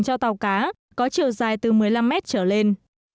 cho tàu cá có chiều dài từ một mươi năm mét trở lên